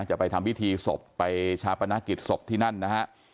จะไปทำพิธีศพไปชาปนกิจศพที่นั่นนะฮะ